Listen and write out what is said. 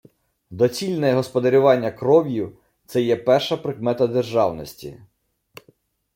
Доцільне господарювання кров'ю — це є перша прикмета державності…